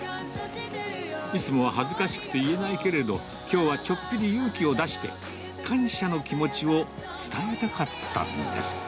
いつもは恥ずかしくて言えないけれど、きょうはちょっぴり勇気を出して、感謝の気持ちを伝えたかったんです。